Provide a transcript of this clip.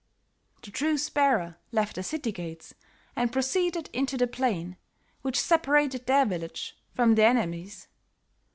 "The truce bearer left the city gates and proceeded into the plain, which separated their village from the enemy's.